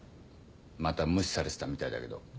また無視されてたみたいだけど。